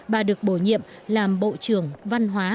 bà được bổ nhiệm làm bộ trưởng văn hóa